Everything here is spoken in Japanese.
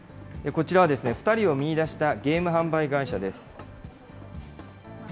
こちらは２人を見いだしたゲーム販売会社です。